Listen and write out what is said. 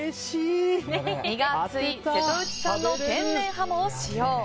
身が厚い瀬戸内産の天然ハモを使用。